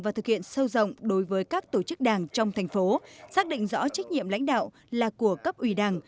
và thực hiện sâu rộng đối với các tổ chức đảng trong thành phố xác định rõ trách nhiệm lãnh đạo là của cấp ủy đảng